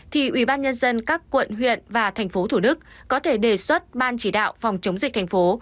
thì ubnd các quận huyện và tp hcm có thể đề xuất ban chỉ đạo phòng chống dịch thành phố